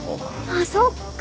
あっそっか